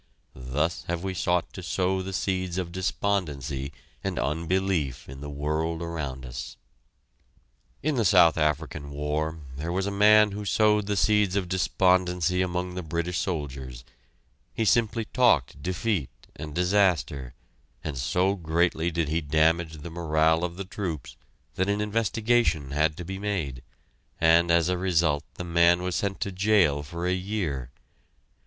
Thus have we sought to sow the seeds of despondency and unbelief in the world around us. In the South African War, there was a man who sowed the seeds of despondency among the British soldiers; he simply talked defeat and disaster, and so greatly did he damage the morale of the troops that an investigation had to be made, and as a result the man was sent to jail for a year.